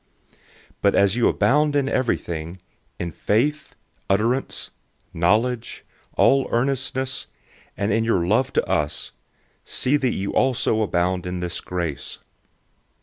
008:007 But as you abound in everything, in faith, utterance, knowledge, all earnestness, and in your love to us, see that you also abound in this grace.